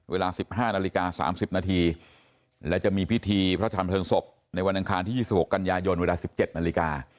เวลาสิบห้านาฬิกาสามสิบนาทีและจะมีพิธีพระอาจารย์เติมศพในวันอังคารที่ยี่สิบหกกันยายนเวลาสิบเจ็ดนาฬิกา